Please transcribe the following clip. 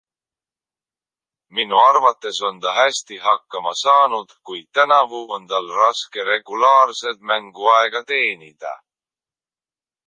Minu arvates on ta hästi hakkama saanud, kuid tänavu on tal raske regulaarselt mänguaega teenida.